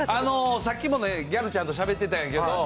さっきもギャルちゃんとしゃべってたんやけど。